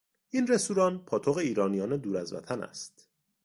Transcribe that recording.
این رستوران پاتوق ایرانیان دور از وطن است.